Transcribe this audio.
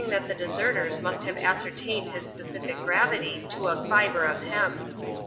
Ifiat the deserters must have ascertained his specific gravity to a fibre of hemp.